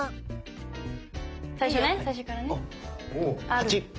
８。